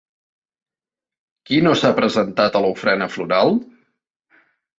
Qui no s'ha presentat a l'ofrena floral?